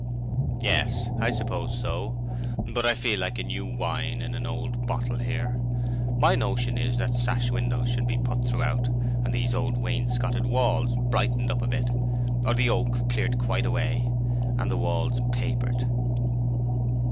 "Yes—I suppose so; but I feel like new wine in an old bottle here. My notion is that sash windows should be put throughout, and these old wainscoted walls brightened up a bit; or the oak cleared quite away, and the walls papered."